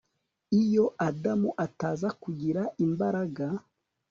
Iyo Adamu ataza kugira imbaraga